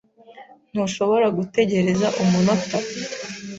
Ntushobora gutegereza umunota?